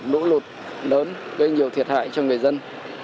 lũ lụt lớn gây nhiều thiệt hại cho người dân